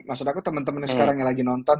maksud aku temen temen yang sekarang yang lagi nonton